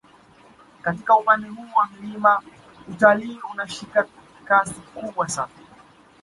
Katika upande huu wa milima utalii unashika kasi kubwa sana